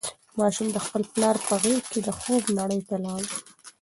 ماشوم د خپل پلار په غېږ کې د خوب نړۍ ته لاړ.